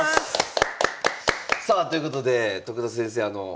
さあということで徳田先生